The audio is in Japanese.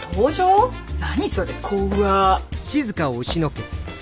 何それ怖っ！